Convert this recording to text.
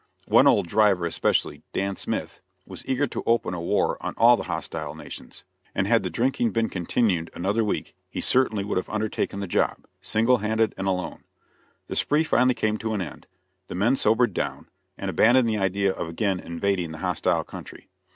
One old driver especially, Dan Smith, was eager to open a war on all the hostile nations, and had the drinking been continued another week he certainly would have undertaken the job, single handed and alone. The spree finally came to an end; the men sobered down and abandoned the idea of again invading the hostile country.